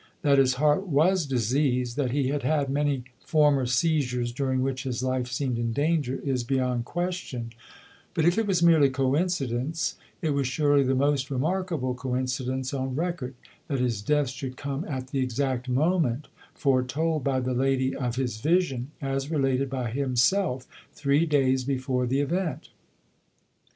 That his heart was diseased, that he had had many former seizures, during which his life seemed in danger, is beyond question; but if it was merely coincidence, it was surely the most remarkable coincidence on record, that his death should come at the exact moment foretold by the lady of his vision, as related by himself three days before the event.